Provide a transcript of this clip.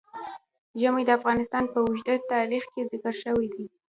ژمی د افغانستان په اوږده تاریخ کې ذکر شوی دی.